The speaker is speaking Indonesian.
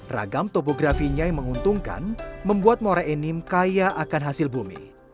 ragam topografinya yang menguntungkan membuat muara enim kaya akan hasil bumi